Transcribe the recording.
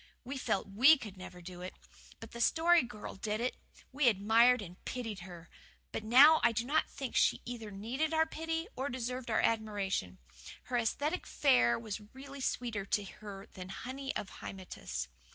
We felt WE could never do it. But the Story Girl did it. We admired and pitied her. But now I do not think that she either needed our pity or deserved our admiration. Her ascetic fare was really sweeter to her than honey of Hymettus.